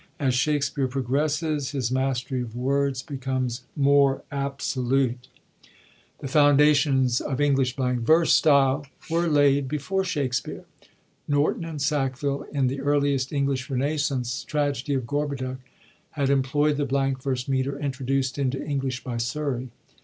As Shakspere progresses, his mastery of words becomes more absolute. 87 REVIEW OF THE FIRST PERIOD The foundations of English blank verse style were laid before Shakspere. Norton and Sackville, in the earliest English Renascence tragedy of Gorhoduc^ had employd the blank verse metre introduced into English by Surrey.